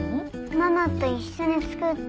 ママと一緒に作った。